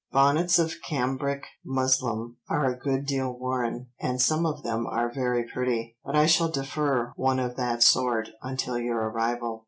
Bonnets of cambric muslin are a good deal worn, and some of them are very pretty, but I shall defer one of that sort until your arrival."